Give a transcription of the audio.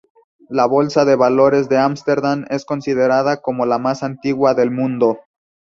La Bolsa de valores de Ámsterdam es considerada como la más antigua del mundo.